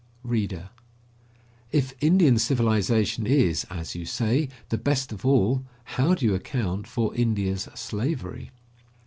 READER: If Indian civilization is, as you say, the best of all, how do you account for India's slavery?